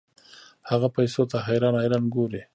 هغه پیسو ته حیران حیران ګوري.